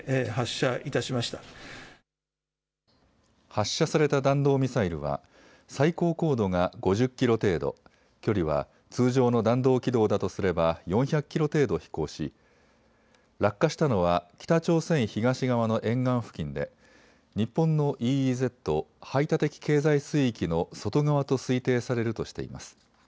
発射された弾道ミサイルは最高高度が５０キロ程度、距離は通常の弾道軌道だとすれば４００キロ程度飛行し、落下したのは北朝鮮東側の沿岸付近で日本のＥＥＺ・排他的経済水域の外側と推定されるとしています。